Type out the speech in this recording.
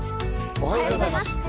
おはようございます。